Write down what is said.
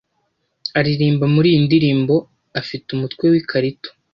aririmba muri iyi ndirimbo afite umutwe w'ikarito